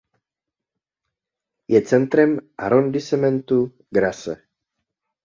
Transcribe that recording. Je centrem arrondissementu Grasse.